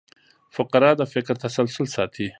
فقره د فکر تسلسل ساتي.